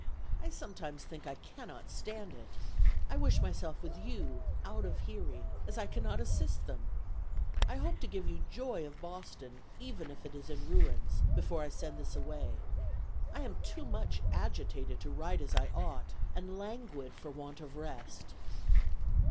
I sometimes think I cannot stand it. I wish myself with you, out of hearing, as I cannot assist them. I hope to give you joy of Boston, even if it is in ruins, before I send this away. I am too much agitated to write as I ought, and languid for want of rest.